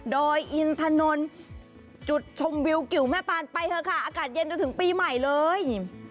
โดยอินถนนจุดชมวิวกิวแม่ปานไปเถอะค่ะอากาศเย็นจนถึงปีใหม่เลย